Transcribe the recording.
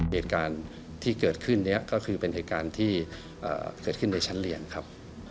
เหตุการณ์ที่เกิดขึ้นนี้ก็คือเป็นเหตุการณ์ที่เกิดขึ้นในชั้นเรียนครับ